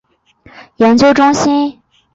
各学院亦附设各类科学研究中心。